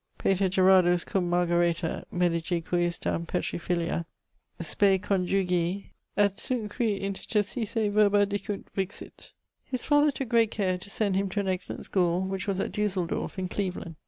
'Pater Gerardus cum Margareta (medici cujusdam Petri filia), spe conjugii (et sunt qui intercessisse verba dicunt), vixit.' His father tooke great care to send him to an excellent schoole, which was at Dusseldorf, in Cleveland.